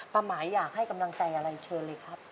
ป้าหมาอยากให้กำลังใจอะไรเชิญเลย